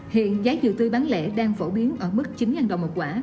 hiện giá dừa tươi bán lẻ đang phổ biến ở mức chín đồng một quả